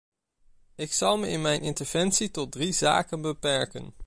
Ik zal me in mijn interventie tot drie zaken beperken.